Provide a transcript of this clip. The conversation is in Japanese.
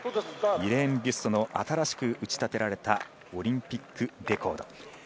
イレーン・ビュストの新しくうちたてられたオリンピックレコード。